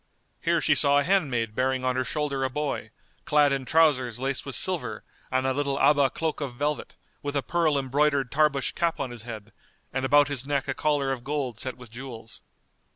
Here she saw a handmaid bearing on her shoulder a boy, clad in trousers laced with silver and a little Abá cloak of velvet, with a pearl embroidered Tarbush cap on his head, and about his neck a collar of gold set with jewels.